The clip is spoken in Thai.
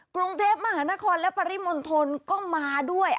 กรุงเทพมหานครและปริมณฑลก็มาด้วย